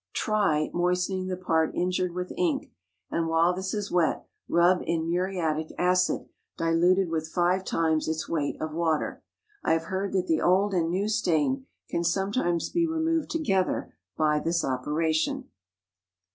Try moistening the part injured with ink, and while this is wet, rub in muriatic acid diluted with five times its weight of water. I have heard that the old and new stain can sometimes be removed together by this operation.